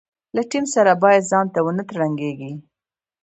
له ټیم سره باید ځانته ونه ترنګېږي.